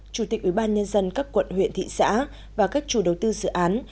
chủ tịch ubnd các quận huyện thị xã và các chủ đầu tư dự án